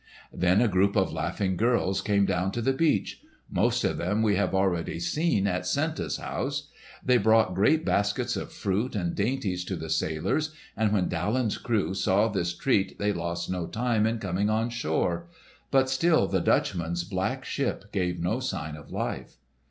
Then a group of laughing girls came down to the beach. Most of them we have already seen at Senta's house. They brought great baskets of fruit and dainties to the sailors and when Daland's crew saw this treat they lost no time in coming on shore. But still the Dutchman's black ship gave no sign of life.